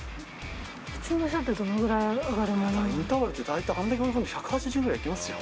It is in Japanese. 普通の人ってどれぐらい上がるものなんですか。